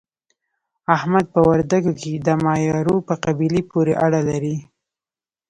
احمد په وردګو کې د مایارو په قبیله پورې اړه لري.